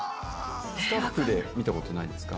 スタッフで見たことないですか？